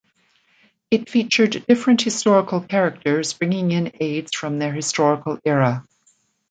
It featured different historical characters bringing in aids from their historical era.